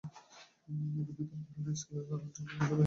এই ভিন্নতার কারণে স্কেলের ধারণাটি দুটি ভিন্ন রূপে অর্থবহ হয়ে ওঠে।